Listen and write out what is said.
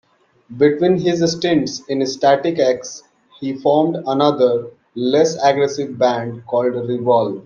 Between his stints in Static-X, he formed another, less aggressive band called Revolve.